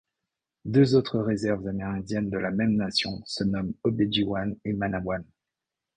Deux autres réserves amérindiennes de la même nation se nomment Obedjiwan et Manawan.